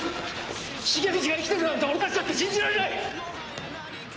重藤が生きてるなんて俺たちだって信じられない！